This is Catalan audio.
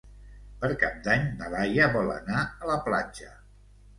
Per Cap d'Any na Laia vol anar a la platja.